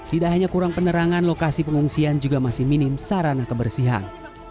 tidak hanya kurang penerangan lokasi pengungsian juga masih minim sarana kebersihan